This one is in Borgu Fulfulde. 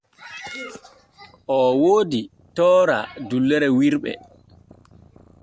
O woodi toora dullere wirɓe.